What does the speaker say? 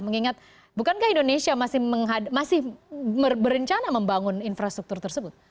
mengingat bukankah indonesia masih berencana membangun infrastruktur tersebut